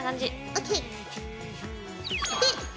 ＯＫ。